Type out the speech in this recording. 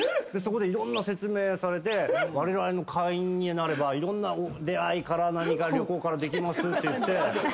そこでいろんな説明されて「われわれの会員になればいろんな出会いから何から旅行からできます」っていって。